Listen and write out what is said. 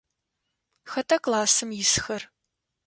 Хэта классым исхэр?